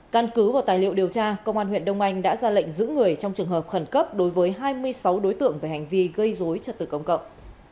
căn cứ vào tài liệu điều tra công an huyện đông anh đã ra lệnh giữ người trong trường hợp khẩn cấp đối với hai mươi sáu đối tượng về hành vi gây dối trật tự công cộng